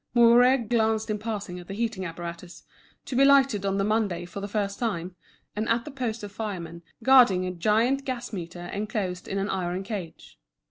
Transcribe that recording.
Mouret glanced in passing at the heating apparatus, to be lighted on the Monday for the first time, and at the post of firemen guarding a giant gas meter enclosed in an iron cage.